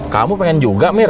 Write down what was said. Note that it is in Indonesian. kamu pengen juga mir